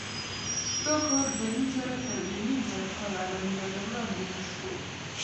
دا کار دوهنیمزره تر درېزره کاله له مېلاده وړاندې وشو.